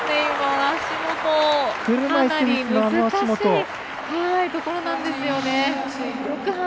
足元、かなり難しいところなんですよね。